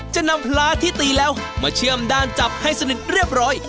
จะนำพลาที่ตีแล้วมาเชื่อมด้านจับให้สนิทเรียบร้อย